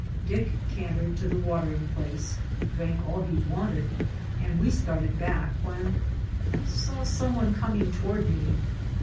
Dick cantered to the watering place, drank all he wanted, and we started back when I saw someone coming toward me.